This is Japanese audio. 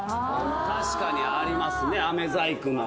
確かにありますね飴細工。